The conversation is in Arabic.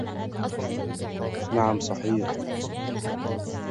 كانت ليلى بالفعل تملك ابنة.